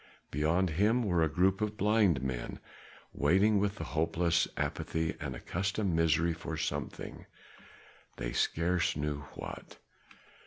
Beyond him were a group of blind men, waiting with the hopeless apathy of accustomed misery for something, they scarce knew what.